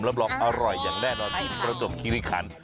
รับรองอร่อยอย่างแน่นอนที่ประจบคิริคัน